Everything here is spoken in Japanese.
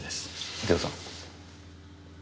右京さん。